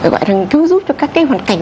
gọi là cứu giúp cho các cái hoàn cảnh